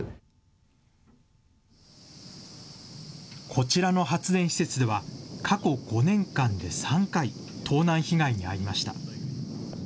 こちらの発電施設では、過去５年間で３回、盗難被害に遭いました。